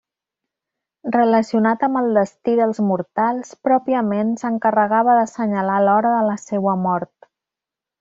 Relacionat amb el destí dels mortals, pròpiament, s'encarregava d'assenyalar l'hora de la seua mort.